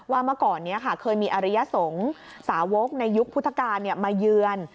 ว่าเมื่อก่อนเนี่ยค่ะเคยมีอริยสงศ์สาวกในยุคพุทธกาลเนี่ยมาเยือน